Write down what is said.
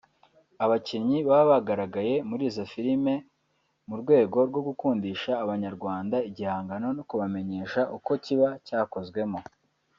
abakinnyi baba baragaragaye muri izo film mu rwego rwo gukundisha abanyarwanda igihangano no kubamenyesha uko kiba cyakozwemo